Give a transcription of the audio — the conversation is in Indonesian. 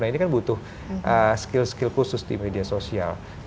nah ini kan butuh skill skill khusus di media sosial